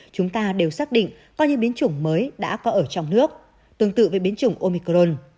chúng ta đều xác định có những biến chủng mới đã có ở trong nước tương tự với biến chủng omicron